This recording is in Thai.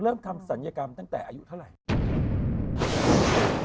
ตัวคุณเองเริ่มทำสัญญากรรมตั้งแต่อายุเท่าไหร่